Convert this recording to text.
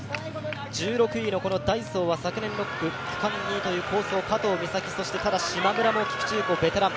１６位のダイソーは昨年６区、区間２位という快走、加藤美咲、しまむらの菊地優子、ベテラン。